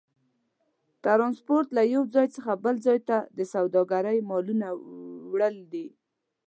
ترانسپورت له یو ځای څخه بل ځای ته د سوداګرۍ مالونو وړل دي.